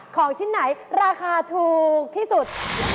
ของชิ้นไหนราคาถูกที่สุด